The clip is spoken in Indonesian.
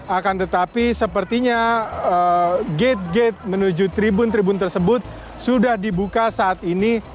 akan tetapi sepertinya gate gate menuju tribun tribun tersebut sudah dibuka saat ini